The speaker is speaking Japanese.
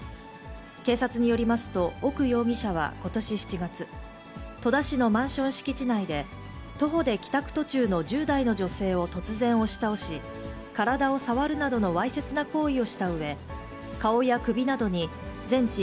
警察によりますと、奥容疑者はことし７月、戸田市のマンション敷地内で、徒歩で帰宅途中の１０代の女性を突然押し倒し、体を触るなどのわいせつな行為をしたうえ、顔や首などに全治